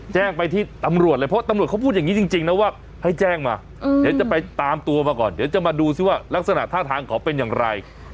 แจ้งมาเดี๋ยวจะไปตามตัวมาก่อนเดี๋ยวจะมาดูสิว่าลักษณะท่าทางของเขาเป็นอย่างไร